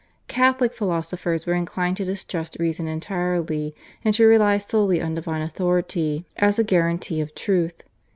Catholic philosophers were inclined to distrust reason entirely, and to rely solely on divine authority as a guarantee of truth.